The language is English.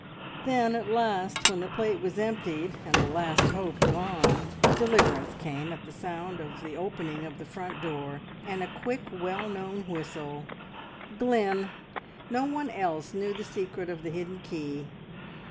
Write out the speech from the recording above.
Then at last when the plate was emptied, and the last hope gone, deliverance came at the sound of the opening of the front door, and a quick, well known whistle. Glynn! No one else knew the secret of the hidden key.